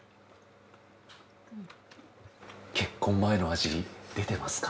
結婚前の味出てますか？